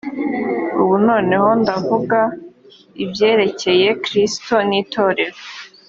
ubu noneho ndavuga ibyerekeye kristo n ‘itorero.